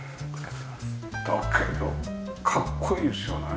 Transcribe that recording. だけどかっこいいですよね。